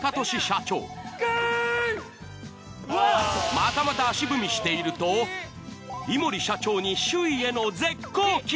またまた足踏みしているといもり社長に首位への絶好機。